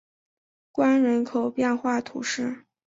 关人口变化图示